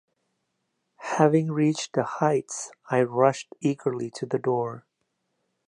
Having reached the Heights, I rushed eagerly to the door.